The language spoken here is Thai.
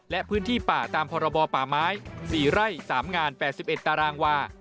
และพื้นที่ป่าตามพรบป่าไม้๔ไร่๓งาน๘๑ตารางวา